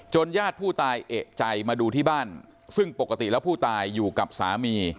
ญาติผู้ตายเอกใจมาดูที่บ้านซึ่งปกติแล้วผู้ตายอยู่กับสามี